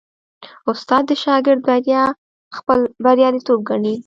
استاد د شاګرد بریا خپل بریالیتوب ګڼي.